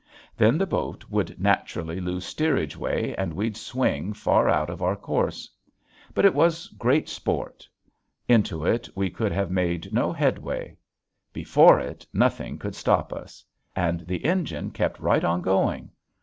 Then the boat would naturally lose steerage way and we'd swing far out of our course. But it was great sport. Into it we could have made no headway; before it nothing could stop us. And the engine kept right on going!